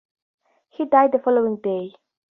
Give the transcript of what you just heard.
He died the following day.